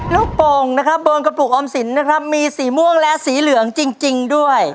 โป่งนะครับบนกระปุกออมสินนะครับมีสีม่วงและสีเหลืองจริงด้วย